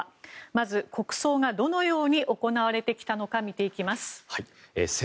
まず、国葬がどのように行われてきたのか見ていきます。